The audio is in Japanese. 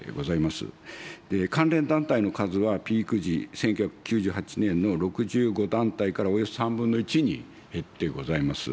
関連団体の数はピーク時、１９９８年の６５団体からおよそ３分の１に減ってございます。